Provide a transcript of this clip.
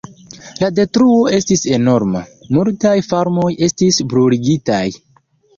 La detruo estis enorma; multaj farmoj estis bruligitaj.